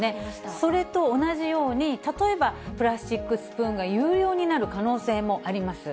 それと同じように、例えばプラスチックスプーンが有料になる可能性もあります。